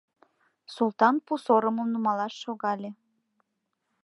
Султан пу сорымым нумалаш шогале.